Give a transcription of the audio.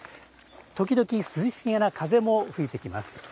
時々、涼しげな風も吹いてきます。